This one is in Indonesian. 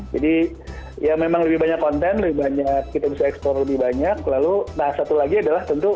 jadi ya memang lebih banyak konten lebih banyak kita bisa eksplor lebih banyak lalu nah satu lagi adalah tentu kenyamanan untuk bisa menonton di